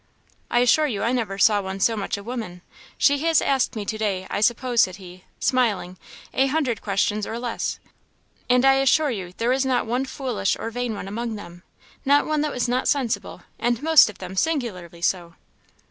"I assure you I never saw one so much a woman. She has asked me to day, I suppose," said he, smiling, "a hundred questions or less; and I assure you there was not one foolish or vain one among them; not one that was not sensible, and most of them singularly so."